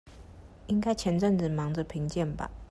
應該前陣子忙著評鑑吧